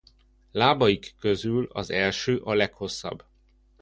Lábaik közül az első a leghosszabb.